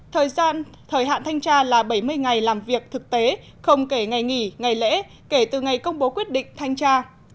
thời hạn thanh tra là bảy mươi ngày làm việc thực tế không kể ngày nghỉ ngày lễ kể từ ngày công bố quyết định thanh tra